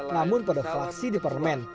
namun pada fraksi di parlemen